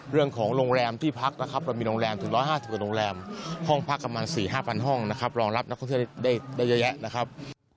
โรงแรมที่พักนะครับเรามีโรงแรมถึง๑๕๐กว่าโรงแรมห้องพักประมาณ๔๕๐๐ห้องนะครับรองรับนักท่องเที่ยวได้เยอะแยะนะครับ